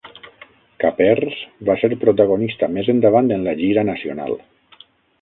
Capers va ser protagonista més endavant en la gira nacional.